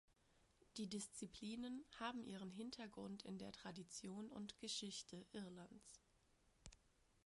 Die Disziplinen haben ihren Hintergrund in der Tradition und Geschichte Irlands.